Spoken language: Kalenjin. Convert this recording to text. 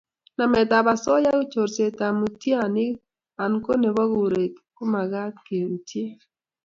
namet ap osoya, chorset ap mutianik an ko nepo kuret komakat keutie